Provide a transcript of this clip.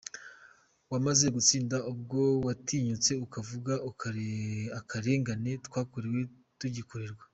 Wamaze gutsinda ubwo watinyutse ukavuga akarengane twakorewe, tugikorerwa.